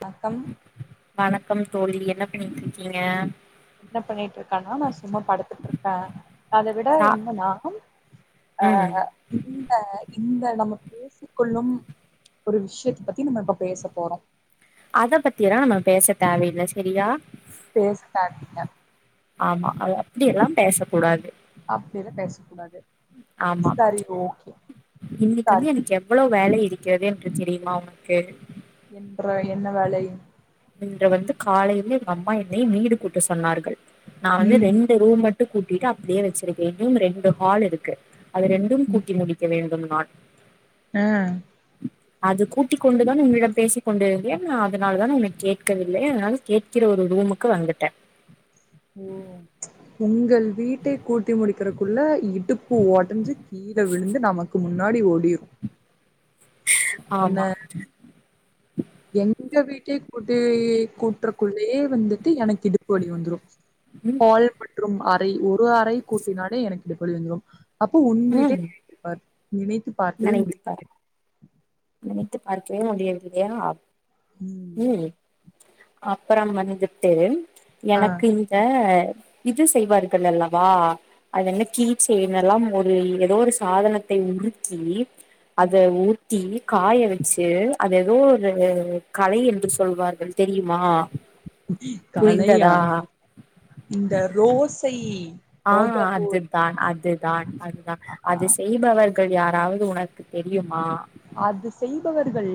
பக்கம் பக்கம் தோழி என்ன பண்ணிட்டு இருக்கீங்க என்ன பண்ணிட்டு இருக்கானா நா சும்மா படுத்துட்டு இருந்தே அத விட சா என்னன்னா அ ம் இந்த இந்த நம்ம பேசிக்க கொள்ளும் ஒரு விஷயத்த பத்தி நம்ம இப்ப பேச போறோ அத பத்தியலா நம்ம பேச தேவையில்ல சரியா பேசாதீங்க ஆமா அது அப்படியெல்லா பேச கூடாது அப்டியெல்லா பேசக்கூடாது ஆமா சரி ஓகே இன்னைக்கு வந்து சரி எனக்கு எவ்வளவு வேலை திக்கிறது [unintelligible] தெரியுமா உனக்கு என்ற என்ன வேலை இங்க வந்து காலையில எங்கஅம்மா என்னை வீடு கூட்ட சொன்னார்கள் நானு ம் ரெண்டு ரூம் மட்டு கூட்டிட்டு அப்படியே வச்சிருக்கே இன்னும் ரெண்டு ஹால் இருக்கு அது ரெண்டும் ம் கூட்டி முடிக்க வேண்டும் ஆ ஆ அது கூட்டிக் கொண்டுதான் உனிடம் பேசிக்க கொண்டிருந்தேன் அதனால தான் உன்னை கேட்கவில்லை அதனால கேட்கிற ஒரு ரூமுக்கு வந்துட்டே ஓ உங்கள் வீட்டை கூட்டி முடிக்கறுதுக்குள்ள இவ் ஓட்டுக்குஓடஞ்சு கீழ விழுந்து நமக்கு மு முன்னாடி ஒடியு ஆமா எங்க வீட்டே கூட்டு கூட்டுறக்குள்ளயே வந்துட்டு எனக்கு இடுப்பு வலி வந்துடும் ம் ஹால் பெட்ரூம் அ ஒரு அறை கூட்டினலே எனக்கு இடுப்புவலி வந்துரும் அப்போ உன் வீட்டே ம் பார் நினைத்து பார்க்கவே நினைத்துப்பார் முடியல நினைத்து பார்க்கவே முடியவில்லையா ம் அப்றோ வந்துட்டு ஆ எனக்கு இந்த இது செய்வார்கள் அல்லவா அது என்ன கீச்சைன் எல்லா ஒரு ஏதோ ஒரு சாதனத்தை உறுக்கி அது ம். உ த்தி காய வச்சு அத ஏதோ ஒரு கலை என்று சொல்வார்கள் தெரியுமா கலையா புரிந்ததா இந்த ரோஸை ஆ அது தான் அதுதான் தான் அது செய்பவ யாராவது உனக்கு தெரியும் அது செய்பவர்கள்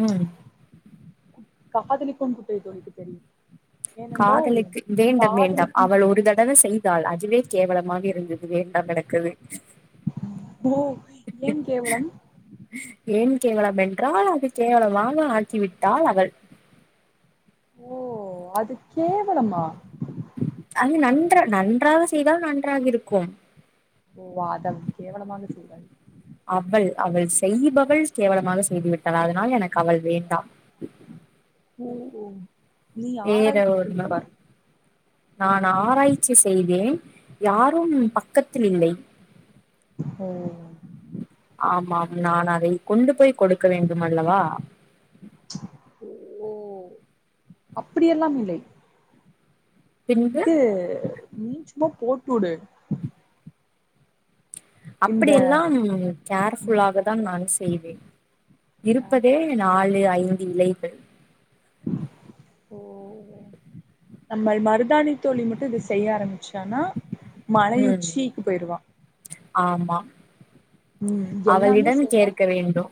ம் காதலி கொண்டு போய் தோழிக்கு தெரியும் ஏனென்றால் காதலுக்கு வேண்டாம் வேண்டாம் காதலிக்கும் அவள் குட் ஒரு தடவை செய்தாள் அதுவே கேவலமாக இருந்தது அது வேண்டாம் எனக்கது ஓ ஏன் கேவலம் ஏன் கேவலம் என்றால் அது கேவலமாக ஆக்கிவிட்டால் அவள் ஓ அது கேவலமா அது நன்றா நன்றாக செய்தால் நன்றாக இருக்கும் ஓ அத கேவலமாக செய்தாள் அவள் அவள் செய்பவள் கேவலமாக செய்துவிட்டாள் அதனால் எனக்கு அவள் வேண்டாம் ஓ நீ வேற ஆராய்ச்சி ஒன்னு பண்ணிப்பார் நான் ஆராய்ச்சி செய்தேன் யாரும் பக்கத்தில் இல்லை ம் ஆமாம் நான் அதை கொண்டு போய் கொடுக்க வேண்டும் அல்லவா ஓ அப்படிய எல்லாம் இல்லை பின்பு இது நீச்சும்மா போட்டுடு இந்த அப்படியெல்லாம் கேர்ஃபுல்லாக தான் நான் செய்வேன் இருப்பதே நாலு ஐந்து இலைகள் ஓ நம்ம மருதாணி தோழி மட்டு இத செய்ய ஆரம்பிச்சானா மழை ம் உச்சிக்கு போயிருவா ஆமா ம் எல்லாமே அவளிடம் செய்றா கேர்க வேண்டும்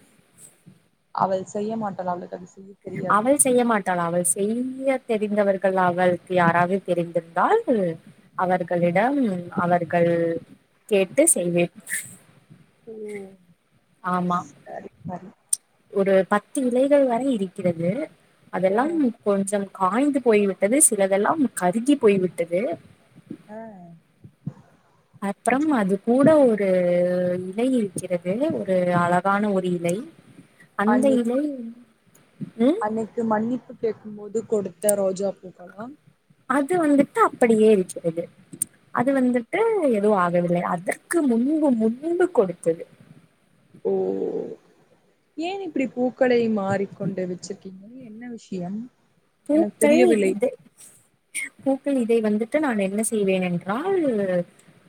அவள் செய்ய மாட்டாள் அவளளுக்கு அதுஸ் அவள் செய்ய மாட்டாளா அவள் செய் செய்ய தெரிந்தவர்கள் அவளுக்கு யாராவது தெரிந்திருந்தால் அவர்களிடம் அவர்கள் கேட்டு செய்வே ம் சரி பா ஒரு பத்து விலைகள் வரை இருக்கிறது ஆ அதெல்லாம் கொஞ்சம் காய்ந்து போய் விட்டது சிலதெல்லா கருகி போய் விட்டது ஆ அப்புறம் அது கூட ஒரு இலை இருக்கிறது ஒரு அழகான ஒரு இலை அந்த அன்னைக்கு இலை ம் அன்னைக்கு மன்னிப்பு கேக்கு போது கொடுத்த ரோஜா பூக்கல்லா அது வந்துட்டு அப்படியே இருக்கிறது ஆ அது வந்துட்டு எதும் ஆகவில்லை அதற்கு முன்பு முன்பு கொடுத்தது ஓ ஏன் இப்படி பூ க்களை மாறிக்கொண்டு வச்சு என் என்ன விஷயம் எனக்கு பூக்கள் புரியவில்லை இது பூ இதை வந்துட்டு நான் என்ன செய்வேன் என்றால்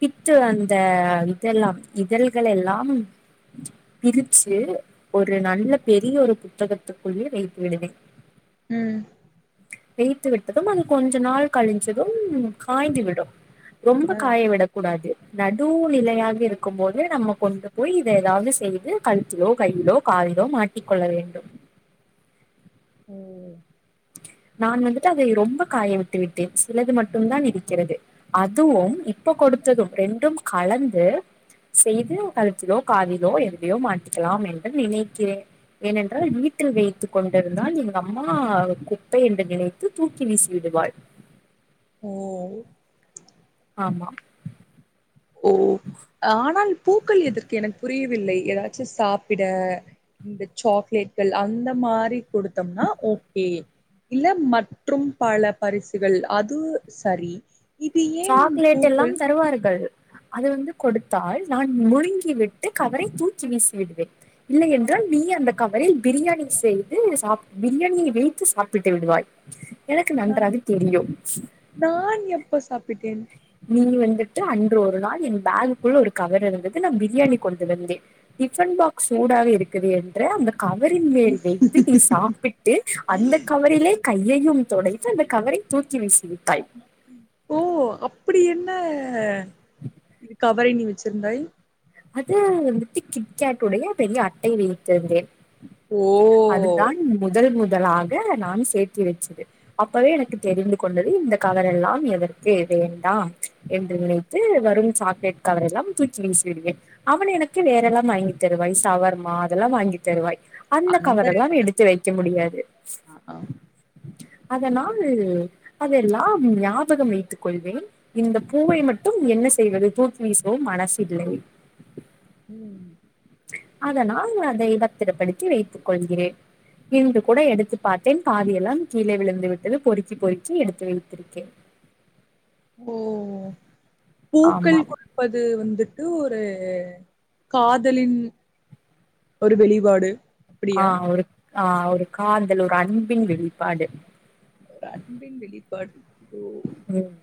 பித்து அந்த இதெல்லாம் இதழ்கள் எல்லாம் பிரிச்சு ஒரு நல்ல பெரிய ஒரு புத்தகத்துக்குள்ளே வைத்து விடுவேன் ம் எயித்து விட்டதும் அது கொஞ்ச நாள் கழிஞ்சதும் காய்ந்து விடும் ரொம்ப ஆ காய விடக் கூடாது நடு நிலையாக இருக்கும்போது நம்ம கொண்டு போய் இத ஏதாவுது செய்து கழுத்திலோ கையிலோ காலிலோ மாட்டி கொள்ள வேண்டும் ஓ நான் வந்துட்டு அதை ரொம்ப காய விட்டு விட்டேன் சிலது மட்டுந்தான் இருக்கிறது அதுவும் இப்ப கொடுத்ததும் ரெண்டும் கலந்து செய்து கழுத்திலோ காதிலோ எதிலயோ மாட்டிக்கலாம் என்று நினைக்கிறேன் ஏன் என்றால் வீட்டில் வைத்து கொண்டிருந்தால் எங்க அம்மா கு குப்பை என்று நினைத்து தூக்கி வீசி விடுவாள் ஓ ஆமா ஓ ஆனா நாள் பூக்கள் எதற்கு எனக் புரியவில்லை ஏதாச்சும் சாப்பிட இந்த சாக்லேட்கள் அந்த மாரி குடுத்தோம்னா ஓகே இல்ல மற்றும் பல பரிசுகள் அது சரி இது ஏன் சாக்லேட் எல்லாம் பூக்கள் தருவார்கள் அத வந்து கொடுத்தால் நான் முழுங்கி விட்டு கவரை தூக்கி வீசி விடுவேன் இல்லை என்றால் நீ அந்த கவரில் பிரியாணி செய்து சாப் பிரியாணியை வைத்து சாப்பிட்டு விடுவாய் எனக்கு நா நன்றாக தெரியும் பிட்டேன் நீ வந்துட்டு அன்று ஒரு நாள் என் பேகுக்குள் ஒரு கவர் இருந்தது நான் பிரியாணி கொண்டு வந்தேன் டிபன் பாக்ஸ் சூடாக இருக்குது என்று அந்த கவரின் மேல் வைத்து நீ சாப்பிட்டு அந்த கவரிலே கையயும் தொடைத் து அந்த கவரை தூக்கி வீசி விட் ஓ அப்டி என்ன இது கவரை நீ வச்சிருந்தாய் அது வந்துட்டு கிக்கேட் உடையே பெரிய அட்டை வைத்திருந்தேன் ஓ! அதுதான் முதல் முத தலாக நான் சேர்த்தி வச்சிருந்து அப்பவே எனக்கு தெரிந்து கொண்டது இந்த கவர் எல்லா எதற்கு வேண்டாம் என்று நினைத்து வரும் சாக்லேட் கவர் எல்லா தூச்சி வீசி விடுவேன்ன அவன் எனக்கு வேற எல்லா வாங்கி தருவாய் சவர்மா அதெல்லா வாங்கி தருவாய் அந்த கவர் எல்லா எடுத்து வைக்க முடியாது ஆ. அதனால் அதெல்லா ஞாபகம் வைத்துக் கொள்வேன் இந்த பூவை மட்டும் என்ன செய்வது தூக்கி வீசவும் மனசில்லை ம் அதனால் அதை பத்திரப்படுத்தி வைத்துக் கொள்கிறேன் இன்று கூட எடுத்து பார்த்தேன் பாதியெல்லா கீழே விழுந்து விட்டது பொறுக்கி பொறுக்கி எடுத்து வைத்திருக்கேன் ஓ பூக்கள் ஆமாம் குடுப்பது வந்து து ஒரு காதலின் ஒரு வெளிபாடு ஆ ஒரு ஆ ஒரு காதல் ஒரு அன்பின் வெளிப்பாடு ஒரு அன்பின் வெளிப்பாடு ஓ! உம்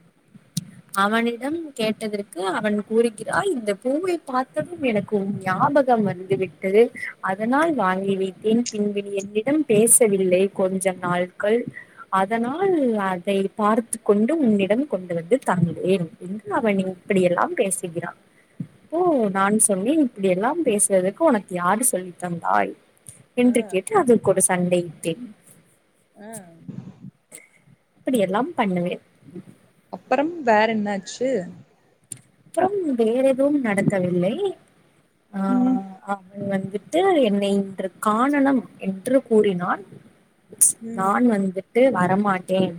அவனிடம் கேட்டதற்கு அவன் கூறுகிறாய் இந்த பூவை பார்த்ததும் எனக்கு உன் ஞாபகம் வந்து விட்டது அதனால் வாங்கி வைத்தேன் பின்பு நீ என்னிடம் பேசவில்லை கொஞ்ச நாட்கள் அதனால் அதை பார்த்து கொண்டு உன்னிடம் கொண்டு வந்து தந்தேன் என்று அவன் இப்படி எல்லாம் பேசுகிறான் ஓ நான் சொன்னேன் இப்படி எல்லாம் பேசுவதுக்கு உனக்கு யாரு சொல்லி தந்தாய் ஆ, என்று கேட்டு அது ஒரு சண்டை [unintelligible] ஆ. அப்டி எல்லாம் பண்ணுவேன் உம் அப்பறம் வேற என்னாச்சு அப்புறம் வேற எதுவும் நடக்கவில்லை ஆ ம், ஆ அவ வந்து ட்டு என்னை இன்று காணனும் என்று கூறினான் ம், நான் வந்து ட்டு வரமாட்டேன்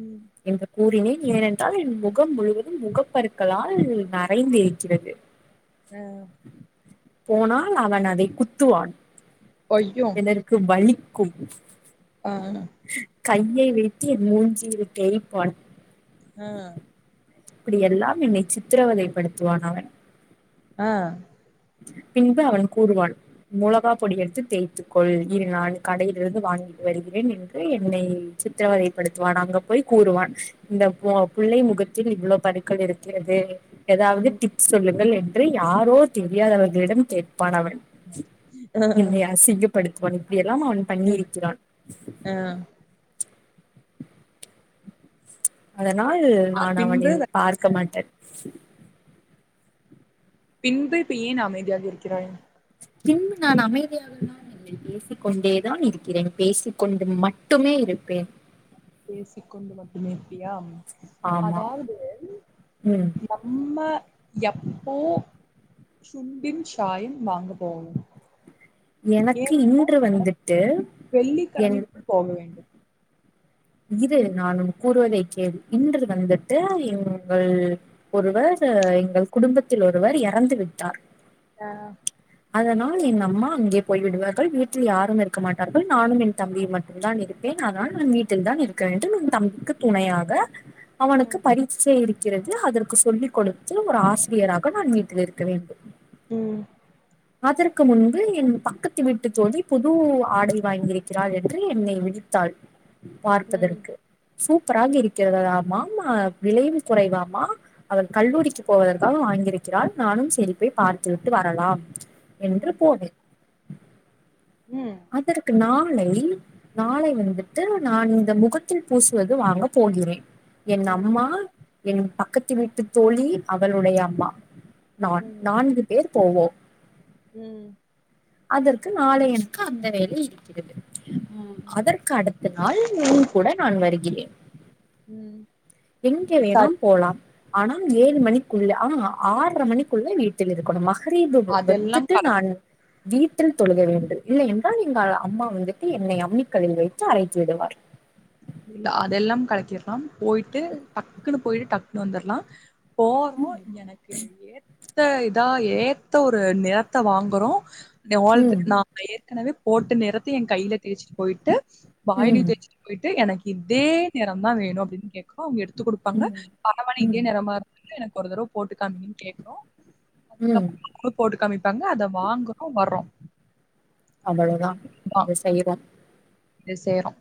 ம் என்று கூறினேன் ஏனென்றால் என் முகம் முழுவதும் முகம் பருக்களால் நறைந்து இருக்கிறது போனால் அவன் அதை குத்துவான் ஐயோ! எனருக்கு வழி கும் ஆ கையை வைத்து மூஞ்சி [unintelligible] தேய்பான் ஆ அப்டி எல்லா என்னை சித்திரவதைப்படுத்துவான் அவன் ஆ பின்பு அவன் கூறுவான் மொளகா பொடி எடுத்து தேய்த்துக்கொள் இரு நான் கடையிலிருந்து வாங்கி வருகிறேன் என்று என்னை சித்ரவதைப்படுத்துவான் அங்க போய் கூறுவான் இந்த பொ புள்ளை முகத்தில் இவ்வளவு பருக்கள் இருக்கிறது எதாவது ம், டிப்ஸ் சொல்லுங்கள் என் ன்று யாரோத் தெரியாதவர்களிடம் கேட் ப்பான் அவன் ஆ, என்னை அசிங்கப்படுத்துவான் இப்டி எல்லா அவன் பண்ணியிரிக்கிறான் ஆ. அத னால் அ நான் அவனை பின்பு பார்க்க மாட்டன் பின்பு இப்ப ஏன் அமைதியாக இருக்கிறாய் பின்பு நான் அமைதியாகதான் [unintelligible] பேசிக்கொண்டேதான் இருக்கிறேன் பேசிக்கொண்டு மட்டுமே இருப்பேன் பேசிக்கொண்டு மட்டுமே இருப்பியா ஆமா அதாது ம் நம்ம எப் போ சும்பின் சாயம் வாங்கப்போவோம் எனக்கு இன்று வந்துட்டு என் வெள்ளிக்கிழமைக்குள் போக வேண்டும் இரு நான் கூறுவதைக்கேள் இன்று வந்துட்டு எங்கள் ஒருவர் எங்கள் குடும்பத்தில் ஒருவர் இறந்து விட்டார் அ அதனால் என் அம்மா அங்கே போய் விடுவார்கள் வீட்டில் யாரும் இருக்க மாட்டார்கள் நானும் என் தம்பியும் மட்டும்தான் இருப்பேன் ஆனால் நான் வீட் தில்தான் இருக்க வேண்டும் என் தம்பிக்கு துணையாக அவனுக்கு பரீச்சை இருக் க்கிறது அதற்கு சொல்லிக்கொடுத்து ஒரு ஆசிரியராக க்கு நான் வீட்டில் இருக்க வேண்டும் ம், அதற்கு முன்பு என் பக்கத்து வீட்டு தோழி புது ஆடை வாங்கியிருக்கிறாள் என்று என்னை விளித்தாள் ம், பார்ப்பதற்கு சூப்பராக இருக்கிறதாமாம் விலையும் குறைவாமா அவள் கல்லூரிக்கு போவதற்காக வாங்கியிருக்கிறாள் நானும் சேரி போய் பார்த்து விட்டு வரலாம் என்று ம், போடு ம், அதற்கு நான் ளை நாளை வந்துட்டு நான் இந்த முகத்தில் பூசுவது வாங்கப் போகிறேன் என் ம், அம்மா என் பக்கத்து வீட்டு தோழி அவளுடைய அம்மா ம், நான் ம், நான்கு பேர் போவோம் ம் அதற்கு நாளை என்க்கு அந்த வேலை இருக்கிறது ம் அதற்கு அடுத்த நாள் நூன்கூட நான் வருகிறேன் ம். எங்கே வேணாம் சரி போலாம் ஆனா ம் ஏழு மணிக்குள்ள அ ஆறரை மணிக்குள்ள வீட்டில் இருக்கணும்மா ரீலுப பத்து அதெல்லாம் ட்டு கரெக்ட் நான் வீட்டில் தொழுக வேண்டும் இல்லை என் அதான் எங்கள் அம்மா வந்துட்டு என்னை அம்மிக்கல்லில் வைத்து அரைத்து விடுவார் இல்ல அதெல்லாம் கலக்கிடலாம் போயிட்டு டக்குன்னு போயிட்டு டக்குன்னு வந்துடலா போரோ எனக்கு ஏ த்த இதா ஏத்த ஒரு நிறத்த வாங்குறோ ஏன் வேர்ல்ட் ம் நாபல்யே ஏனவே போட்டு நிறத்த என் கையில தேய்ச்சி போயிட்டு பாய் நீ ம் தேச்சிட் போய்டு து எனக்கு இதே நேரோ தா வேணு அப்டின்னு கேட்கனு அவங்க எடு த்து கொடுப்பாங்க ம் அந்தமரி இதே ம் நேமா இருக்கே ஒரு தடவ போட்டுக்காந்தீங்கனு கேக்குறோ ம் அதுக்கப்புறோ போட்டு காமிப்பாங்க அத வாங்குறோ வறோ அவ்ளோதா இதா இது செய்யல இது செய்ரோ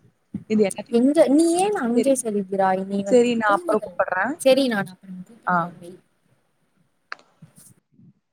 எங்க நீ ஏன் சரி அங்கே செல்கிறாய் இனி சரி நா வந்துட்டு அப்புறோ கூப்பட்றே சரி நான் அப்புறம் ஆ கூப்படுறேன் வை [inaudible]